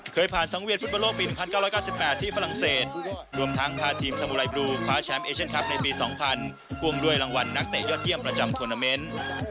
เคยผ่านสังเวียนฟุตบอลโลกปี๑๙๙๘ที่ฝรั่งเศสรวมทั้งพาทีมสมุไรบลูคว้าแชมป์เอเชียนคลับในปี๒๐๐พ่วงด้วยรางวัลนักเตะยอดเยี่ยมประจำทวนาเมนต์